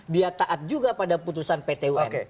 dia taat juga pada putusan pt un